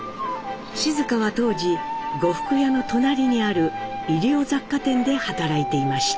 静香は当時呉服屋の隣にある衣料雑貨店で働いていました。